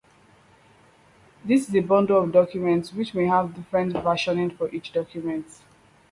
This is a bundle of documents, which may have different versioning for each document.